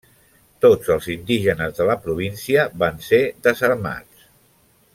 Tots els indígenes de la província van ser desarmats.